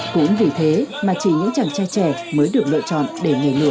cũng vì thế mà chỉ những chàng trai trẻ mới được lựa chọn để nhảy lửa